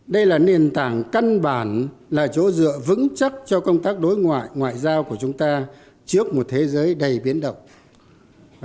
đây là nền tảng căn bản là chỗ dựa vững chắc cho công tác đối ngoại ngoại giao của chúng ta trước một thế giới đầy biến động